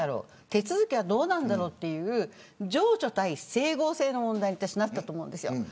手続きはどうなんだろうという情緒対整合性の問題になったと思います。